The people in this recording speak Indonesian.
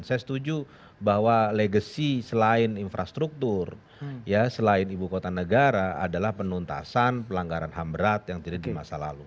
saya setuju bahwa legacy selain infrastruktur ya selain ibu kota negara adalah penuntasan pelanggaran ham berat yang tidak di masa lalu